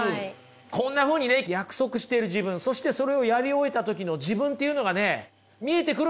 こんなふうにね約束してる自分そしてそれをやり終えた時の自分っていうのがね見えてくるんですよ。